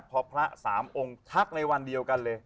พอพระสามองค์ทักในวันเดียวกันเลย